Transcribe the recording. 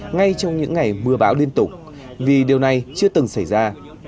ngay trong những ngày mưa bão liên tục vì điều này chưa từng xảy ra